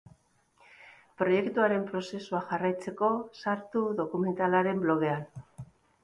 Proiektuaren prozesua jarraitzeko, sartu dokumentalaren blogean.